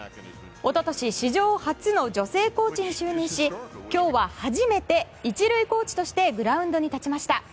一昨年、史上初の女性コーチに就任し今日は初めて１塁コーチとしてグラウンドに立ちました。